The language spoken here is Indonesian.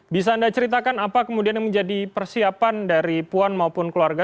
bisa anda ceritakan apa kemudian yang menjadi persiapan dari puan maupun keluarga